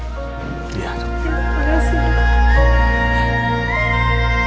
kalo gitu saya permisi